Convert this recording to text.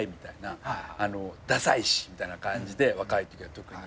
ダサいしみたいな感じで若いときは特に。